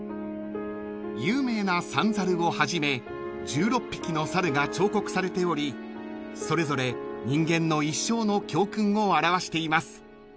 ［有名な三猿をはじめ１６匹の猿が彫刻されておりそれぞれ人間の一生の教訓を表しています］